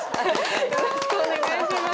よろしくお願いします